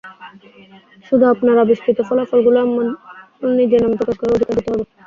শুধু আপনার আবিষ্কৃত ফলাফলগুলো আমার নিজের নামে প্রকাশ করার অধিকার দিতে হবে।